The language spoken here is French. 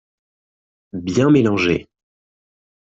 Bien mélanger